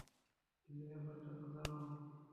কিন্তু ব্যাপারটা তো দারুণ।